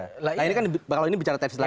nah ini kan kalau ini bicara teks lain